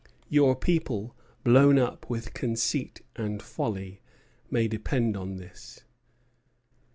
Your people, blown up with conceit and folly, may depend on this."